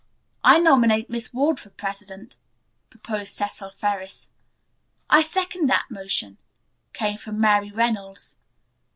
"I nominate Miss Ward for president," proposed Cecil Ferris. "I second the motion," came from Mary Reynolds.